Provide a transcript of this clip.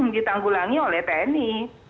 ditanggulangi oleh tni